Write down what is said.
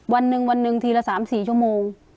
วันหนึ่งวันหนึ่งทีละ๓๔ชั่วโมง